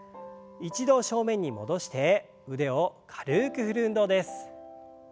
一度正面に戻して腕を軽く振る運動です。